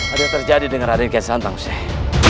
ada terjadi dengan raden kian santang syekh